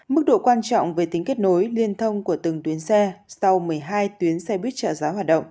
mức độ quan trọng về tính kết nối liên thông của từng tuyến xe sau một mươi hai tuyến xe buýt trợ giá hoạt động